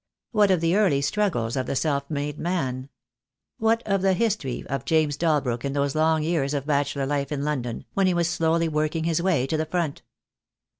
What of the early struggles of the self made man? What of the history of James Dalbrook in those long years of bachelor life in London, when he was slowly working his way to the front?